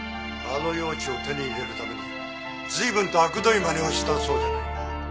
あの用地を手に入れるために随分とあくどい真似をしたそうじゃないか。